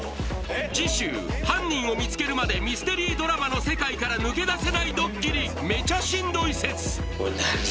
次週犯人を見つけるまでミステリードラマの世界から抜け出せないドッキリめちゃしんどい説これ何？